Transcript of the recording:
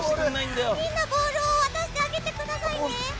みんな、ボールを渡してあげてくださいね。